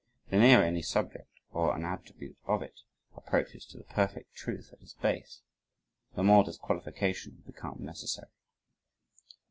The nearer any subject or an attribute of it, approaches to the perfect truth at its base, the more does qualification become necessary.